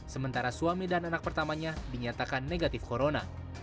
sementara suami dan anak pertamanya dinyatakan negatif corona